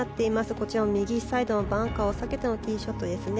こちら、右サイドのバンカーを避けてのティーショットですね。